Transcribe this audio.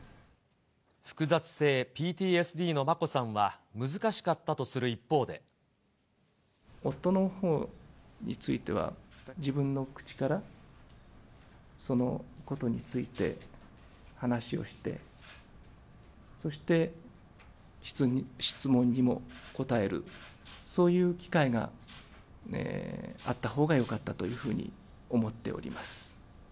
複雑性ＰＴＳＤの眞子さんは、夫のほうについては、自分の口から、そのことについて、話をして、そして質問にも答える、そういう機会があったほうがよかったというふうに思っております。